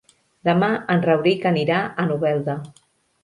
Demà en Rauric anirà a Novelda.